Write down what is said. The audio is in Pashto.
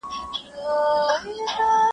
باد د غوجلې شاوخوا ګرځي او غلی غږ لري,